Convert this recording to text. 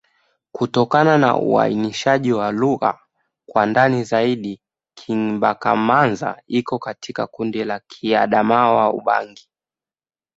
Kufuatana na uainishaji wa lugha kwa ndani zaidi, Kingbaka-Manza iko katika kundi la Kiadamawa-Ubangi.